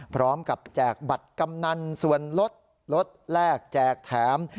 พร้อมกับแจกบัตรกำนันส่วนรถแรกแจกแถม